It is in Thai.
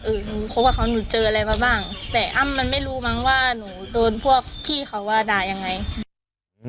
หนูคบกับเขาหนูเจออะไรมาบ้างแต่อ้ำมันไม่รู้มั้งว่าหนูโดนพวกพี่เขาว่าด่ายังไง